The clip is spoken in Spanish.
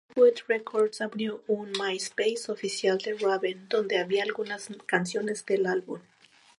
Hollywood Records abrió un Myspace oficial de Raven, donde había algunas canciones del álbum.